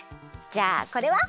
じゃあこれは？